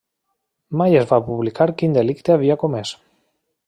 Mai es va publicar quin delicte havia comès.